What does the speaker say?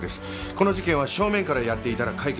この事件は正面からやっていたら解決しません。